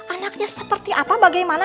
anaknya seperti apa bagaimana